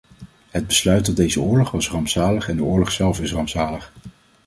Het besluit tot deze oorlog was rampzalig en de oorlog zelf is rampzalig.